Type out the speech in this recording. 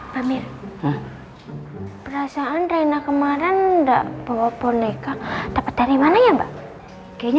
pak mir perasaan reina kemarin enggak bawa boneka dapat dari mana ya mbak kayaknya